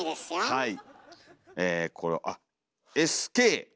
はい。